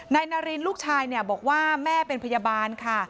นายนารินลูกชายบอกว่าแม่เป็นพยาบาลค่ะ